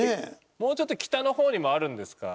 もうちょっと北の方にもあるんですか？